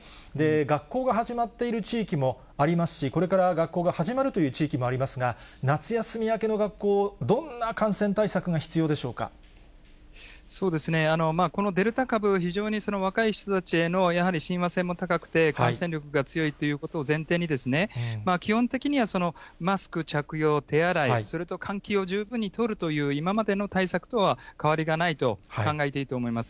学校が始まっている地域もありますし、これから学校が始まるという地域もありますが、夏休み明けの学校、どんな感染対策が必要でこのデルタ株、非常に若い人たちへのやはり親和性も高くて、感染力が強いということを前提に、基本的には、マスク着用、手洗い、それと換気を十分にとるという、今までの対策とは変わりがないと考えていいと思います。